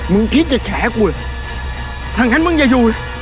มึงคิดจะแขกูเหรอถ้างั้นมึงอย่าอยู่